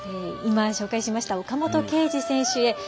今、紹介しました岡本圭司選手へ。